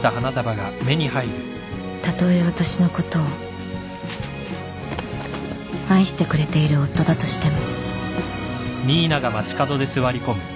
たとえ私のことを愛してくれている夫だとしても